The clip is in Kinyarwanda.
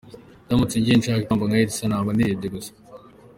Ndamutse ngiye nshaka ikamba nka Elsa naba nirebye gusa.